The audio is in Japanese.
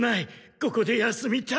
ここで休みたい。